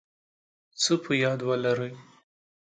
څه په یاد ولرئ